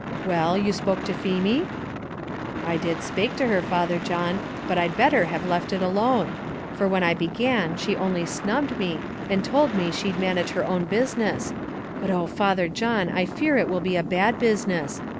Well, you spoke to Feemy?" "I did spake to her, Father John; but I'd better have left it alone; for when I began she only snubbed me, and she told me she'd manage her own business; but oh Father John, I fear it will be a bad business!